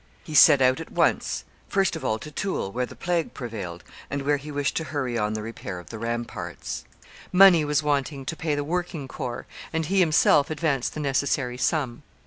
He set out at once, first of all to Toul, where the plague prevailed, and where he wished to hurry on the repair of the ramparts. Money was wanting to pay the working corps; and he himself advanced the necessary sum.